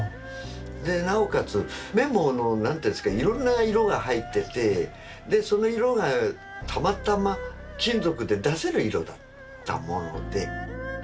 でなおかつ目も何ていうんですかいろんな色が入っててでその色がたまたま金属で出せる色だったもので。